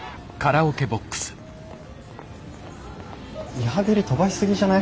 リハビリ飛ばし過ぎじゃない？